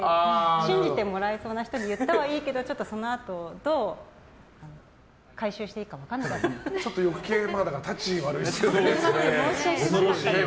信じてもらえそうな人に言ったはいいけどそのあと、どう回収していいかちょっと余計たち悪いですよね。